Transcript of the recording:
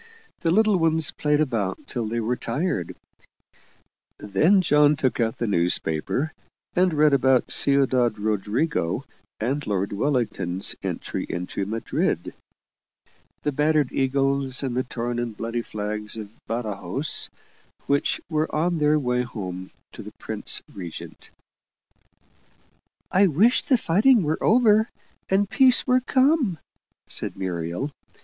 The little ones played about till they were tired; then John took out the newspaper, and read about Ciudad Rodrigo and Lord Wellington's entry into Madrid the battered eagles and the torn and bloody flags of Badajoz, which were on their way home to the Prince Regent. "I wish the fighting were over, and peace were come," said Muriel.